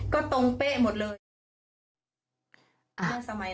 ก็ตรงเป๊ะหมดเลย